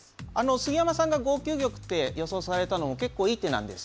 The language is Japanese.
杉山さんが５九玉って予想されたのも結構いい手なんです。